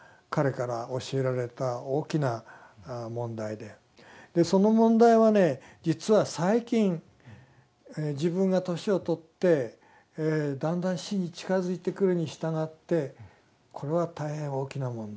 でその問題はね実は最近自分が年を取ってだんだん死に近づいてくるに従ってこれは大変大きな問題。